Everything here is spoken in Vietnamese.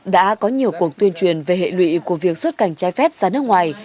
đã có nhiều cuộc tuyên truyền về hệ lụy của việc xuất cảnh trái phép ra nước ngoài